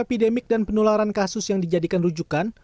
api demik dan penularan kasus yang dijadikan rujukan